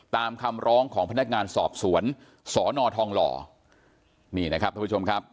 ตามคำร้องของพนักงานสอบสวนสอนอทองหล่อนี่นะครับท่านผู้ชมครับ